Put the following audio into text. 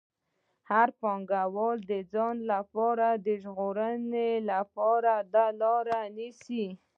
هر پانګوال د ځان ژغورنې لپاره دا لار نیسي